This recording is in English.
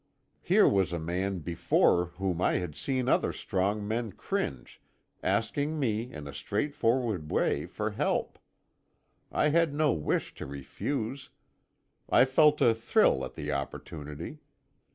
Here was a man before whom I had seen other strong men cringe asking me in a straightforward way for help. I had no wish to refuse; I felt a thrill at the opportunity.